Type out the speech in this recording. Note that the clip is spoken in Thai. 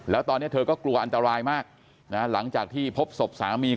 แล้วตอนนี้เธอก็กลัวอันตรายมากหลังจากที่พบศพสามี